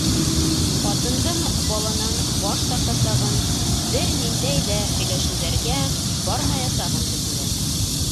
Ҡатындың баланан баш тартасағын, бер ниндәй ҙә һөйләшеүҙәргә бармаясағын белделәр.